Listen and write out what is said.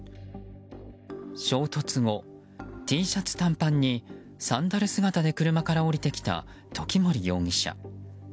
衝突後、Ｔシャツ短パンにサンダル姿で車から降りてきた時森容疑者。